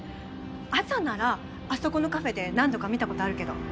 朝ならあそこのカフェで何度か見たことあるけど。